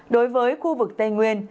đối với khu vực tây nguyên